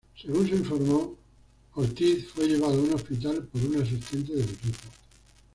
Según se informó, "Ortiz" fue llevado a un hospital por un asistente del equipo.